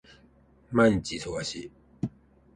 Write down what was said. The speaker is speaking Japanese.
毎日忙しい